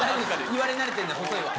言われ慣れてるんで。